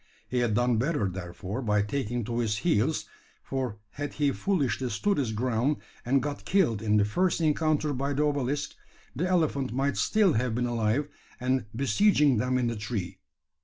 He had done better, therefore, by taking to his heels; for had he foolishly stood his ground, and got killed in the first encounter by the obelisk, the elephant might still have been alive, and besieging them in the tree.